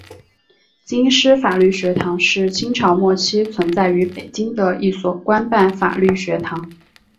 京师法律学堂是清朝末期存在于北京的一所官办法律学堂。